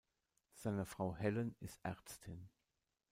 Seine Frau Helen ist Ärztin.